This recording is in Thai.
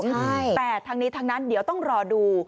แต่ทั้งนี้ทั้งนั้นเดี๋ยวต้องรอดู